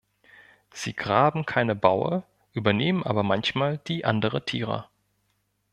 Sie graben keine Baue, übernehmen aber manchmal die anderer Tiere.